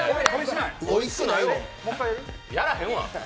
やらへんわ！